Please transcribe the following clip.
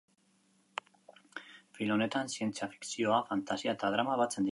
Film honetan, zientzia fikzioa, fantasia eta drama batzen dira.